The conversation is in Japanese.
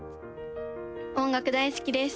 音楽大好きです！